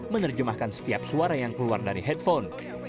menerjemahkan setiap suara yang keluar dari headphone